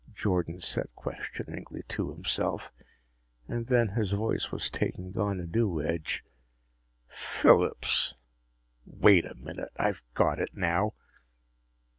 Jordan said questioningly to himself, and then his voice was taking on a new edge. "Phillips! Wait a minute, I've got it now!